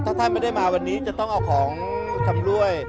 ถ้าท่านไม่ได้มาวันนี้จะต้องเอาของชำรวย